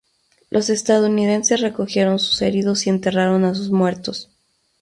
Los estadounidenses recogieron sus heridos y enterraron a sus muertos.